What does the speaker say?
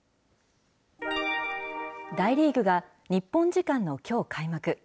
大リーグが日本時間のきょう開幕。